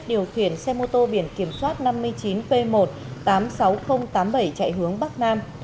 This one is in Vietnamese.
điều khiển xe mô tô biển kiểm soát năm mươi chín p một tám mươi sáu nghìn tám mươi bảy chạy hướng bắc nam